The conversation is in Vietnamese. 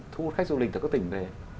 thu hút khách du lịch từ các tỉnh về